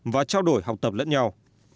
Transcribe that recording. và trao đổi học tập lẫn nhau